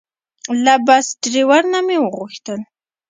له بس ډریور نه مې وغوښتل.